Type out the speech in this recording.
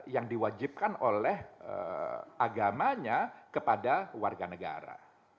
yang diwajibkan oleh agamanya kepada warga negara